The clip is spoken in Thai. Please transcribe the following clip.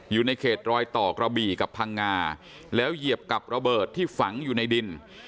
อยู่ในเขตรอยต่อกระบี่กับพังงาแล้วเหยียบกับระเบิดที่ฝังอยู่ในดิน